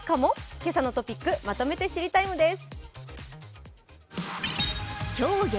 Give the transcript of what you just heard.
「けさのトピックまとめて知りＴＩＭＥ，」です。